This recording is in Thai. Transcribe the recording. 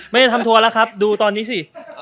ไม่ได้ทำทัวร์แล้วครับดูตอนนี้สิ